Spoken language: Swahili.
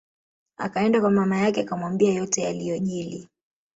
Akaenda kwa mama yake akamwambia yote yaliyojili